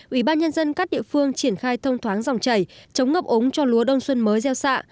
ubnd cắt địa phương triển khai thông thoáng dòng chảy chống ngập ống cho lúa đông xuân mới gieo xạ